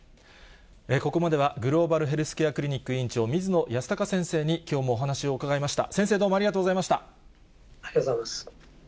ここまではグローバルヘルスケアクリニック院長、水野泰孝先生にきょうもお話を伺いました。